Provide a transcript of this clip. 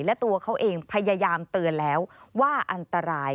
และตัวเขาเองพยายามเตือนแล้วว่าอันตราย